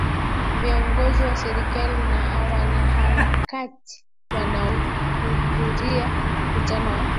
Viongozi wa serikali na wanaharakati wanaohudhuria mkutano wa